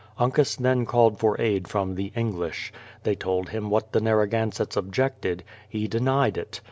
Uncas then called for aid from the English. They told him what the Narra gansetts objected ; he denied it.